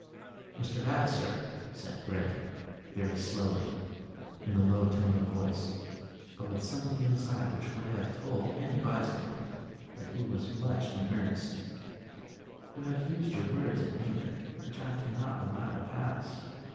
"Mr. Vavasor," said Grey very slowly, in a low tone of voice, but with something in his eye which would have told any bystander that he was much in earnest, "you have used words in your anger which I cannot allow to pass.